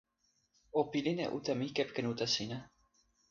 o pilin e uta mi kepeken uta sina.